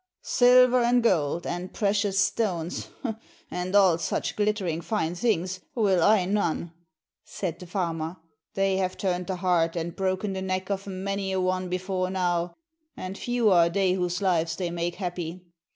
"Silver and gold, and precious stones, and all such glittering fine things, will I none," said the farmer. "They have turned the heart and broken the neck of many a one before now, and few are they whose lives they make happy.